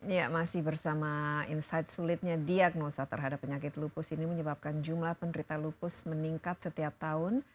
ya masih bersama insight sulitnya diagnosa terhadap penyakit lupus ini menyebabkan jumlah penderita lupus meningkat setiap tahun